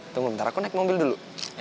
tunggu ntar aku naik mobil dulu